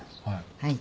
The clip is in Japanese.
はい。